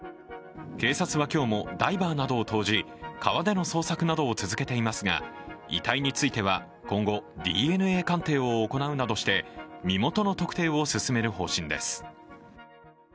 警察は今日もダイバーなどを投じ川での捜索を続けていますが遺体については、今後、ＤＮＡ鑑定を行うなどして身元の特定を進める方針です。